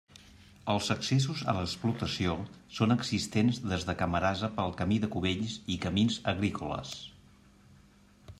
Els accessos a l'explotació són existents des de Camarasa pel camí de Cubells i camins agrícoles.